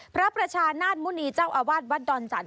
พระประชานาศมุณีเจ้าอาวาสวัดดอนจันท